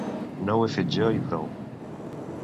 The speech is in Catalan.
No ho he fet jo i prou.